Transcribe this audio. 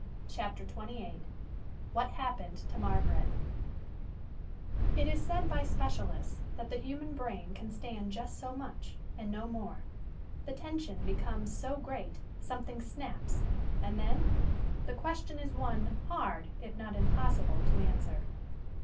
CHAPTER XXVIII WHAT HAPPENED TO MARGARET It is said by specialists that the human brain can stand just so much, and no more. The tension becomes so great something snaps and then? The question is one, hard, if not impossible, to answer.